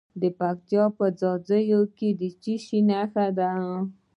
د پکتیا په ځاځي کې د څه شي نښې دي؟